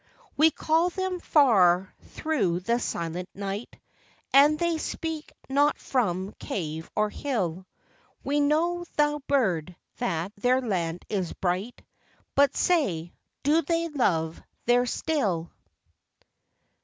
205 We call them far through the silent night, And they speak not from cave or hill; We know, thou bird ! that their land is bright, But say, do they love there still